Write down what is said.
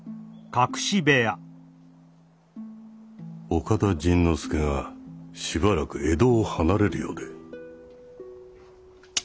岡田甚之助がしばらく江戸を離れるようで。